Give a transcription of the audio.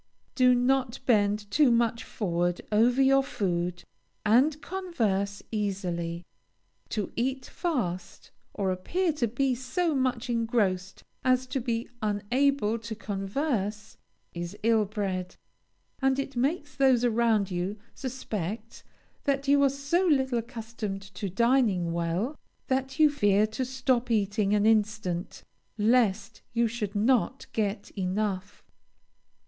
Do not bend too much forward over your food, and converse easily. To eat fast, or appear to be so much engrossed as to be unable to converse, is ill bred; and it makes those around you suspect that you are so little accustomed to dining well, that you fear to stop eating an instant, lest you should not get enough.